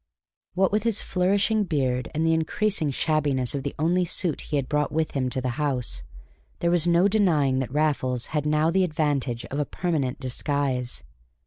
What with his flourishing beard and the increasing shabbiness of the only suit he had brought with him to the house, there was no denying that Raffles had now the advantage of a permanent disguise.